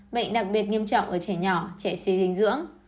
bệnh đặc biệt nghiêm trọng ở trẻ nhỏ trẻ suy dinh dưỡng